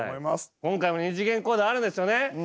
今回も２次元コードあるんですよね？